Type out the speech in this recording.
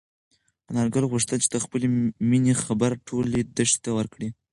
انارګل غوښتل چې د خپلې مېنې خبر ټولې دښتې ته ورکړي.